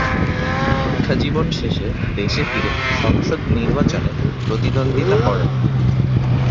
শিক্ষাজীবন শেষে দেশে ফিরে সংসদ নির্বাচনে প্রতিদ্বন্দ্বিতা করেন।